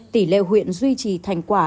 tỉ lệ huyện duy trì thành quả lâu